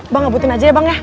bang ngebutin aja ya bang ya